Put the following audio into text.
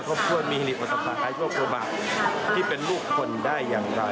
เขาพูดมีฮิลิปุ่นตับป่าอายชั่วครัวบาดที่เป็นลูกคนได้อย่างไร